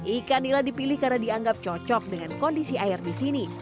ikan nila dipilih karena dianggap cocok dengan kondisi air di sini